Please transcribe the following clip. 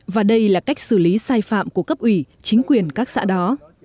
và đây là cách xử lý sai phạm của cấp ủy chính quyền các xã đó